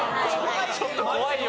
ちょっと怖いよ。